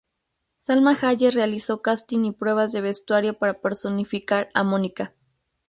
Salma Hayek realizó casting y pruebas de vestuario para personificar a Mónica.